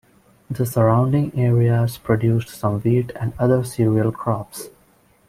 The surrounding areas produce some wheat and other cereal crops.